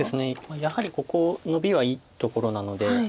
やはりここノビはいいところなので。